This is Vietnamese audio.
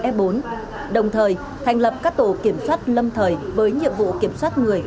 f bốn đồng thời thành lập các tổ kiểm soát lâm thời với nhiệm vụ kiểm soát người